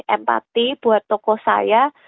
empati buat tokoh saya